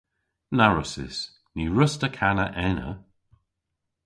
Na wrussys. Ny wruss'ta kana ena.